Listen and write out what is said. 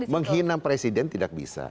menghina presiden tidak bisa